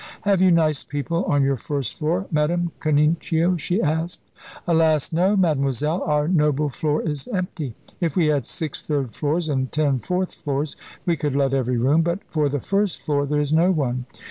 "Have you nice people on your first floor, Madame Canincio?" she asked. "Alas, no, Mademoiselle. Our noble floor is empty. If we had six third floors and ten fourth floors, we could let every room but for the first floor there is no one.